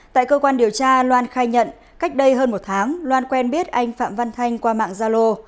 tại cơ quan điều tra loan khai nhận cách đây hơn một tháng loan quen biết anh phạm văn thanh qua mạng gia lô